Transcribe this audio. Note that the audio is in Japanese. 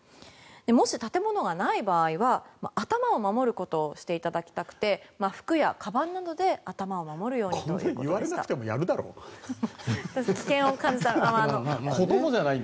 もし建物がない場合は頭を守ることをしていただきたくて服やかばんなどで頭を守るようにしてください。